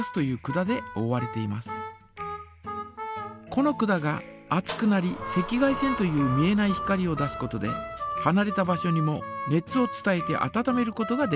この管が熱くなり赤外線という見えない光を出すことではなれた場所にも熱を伝えてあたためることができます。